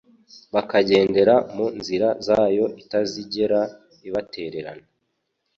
bakagendera mu nzira zayo itazigera ibatererena